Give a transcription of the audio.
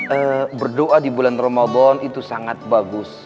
ya berdoa di bulan ramadan itu sangat bagus